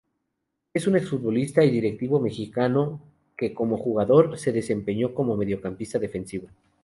Es un ex-futbolista y directivo mexicano que como jugador, se desempeñó como mediocampista ofensivo.